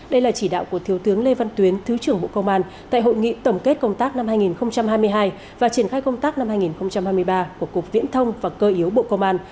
đây là chỉ đạo của thiếu tướng lê văn tuyến thứ trưởng bộ công an tại hội nghị tổng kết công tác năm hai nghìn hai mươi hai và triển khai công tác năm hai nghìn hai mươi ba của cục viễn thông và cơ yếu bộ công an